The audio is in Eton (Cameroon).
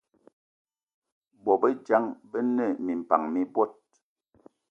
Bôbejang be ne minpan mi bot